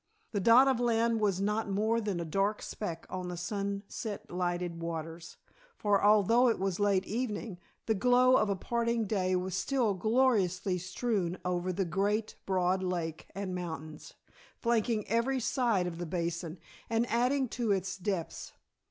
The dot of land was not more than a dark speck on the sunset lighted waters, for although it was late evening, the glow of a parting day was still gloriously strewn over the great, broad lake and mountains, flanking every side of the basin and adding to its depths.